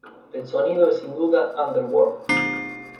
El sonido es sin duda Underworld.